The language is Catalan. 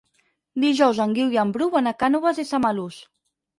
Dijous en Guiu i en Bru van a Cànoves i Samalús.